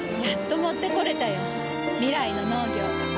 やっと持ってこれたよ。未来の農業。